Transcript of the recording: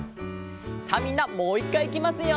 さあみんなもう１かいいきますよ。